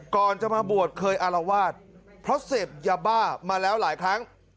ก่อนจะมาบวชเคยอารวาสเพราะเสพยาบ้ามาแล้วหลายครั้ง